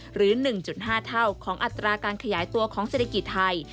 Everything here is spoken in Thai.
หรือ๑๕เท่าของอัตราการขยายตัวของเศรษฐกิจไทย